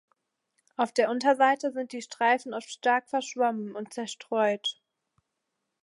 Auf der Unterseite sind die Streifen oft stark verschwommen und zerstreut.